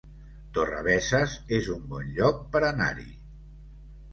Torrebesses es un bon lloc per anar-hi